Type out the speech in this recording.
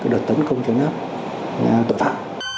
đợt tấn công chân nóc tội phạm